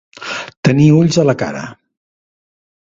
Tenir ulls a la cara.